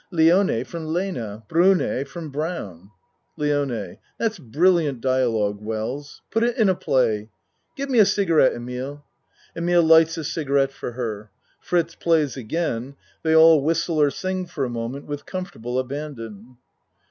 Lione from Lena Brune from Brown. LIONE That's brilliant dialogue, Wells. Put it in a play. Give me a cigarette, Emile. (Emile lights a cigarette for her. Fritz plays again they all whistle or sing for a moment with comfortable aban don.